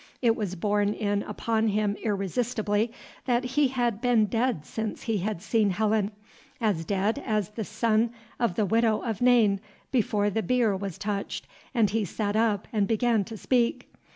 It was borne in upon him irresistibly that he had been dead since he had seen Helen, as dead as the son of the Widow of Nain before the bier was touched and he sat up and began to speak.